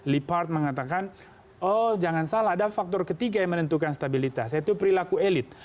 lipard mengatakan oh jangan salah ada faktor ketiga yang menentukan stabilitas yaitu perilaku elit